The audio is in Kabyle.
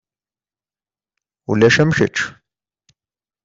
Ulac am kečč.